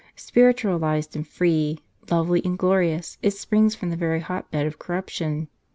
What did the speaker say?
Spiritualized and free, lovely and glorious, it springs from the very hot bed of corruption.